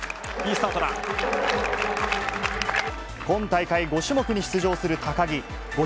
今大会、５種目に出場する高木。